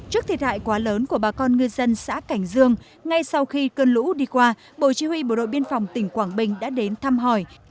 trước thiệt hại quá lớn của bà con ngư dân xã cảnh dương ngay sau khi cơn lũ đi qua bộ chỉ huy bộ đội biên phòng tỉnh quảng bình đã đến thăm hỏi